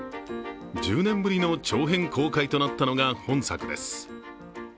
１０年ぶりの長編公開となったのが本作です。